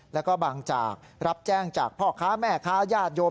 แล้วก็บางจากรับแจ้งจากพ่อค้าแม่ค้าญาติโยม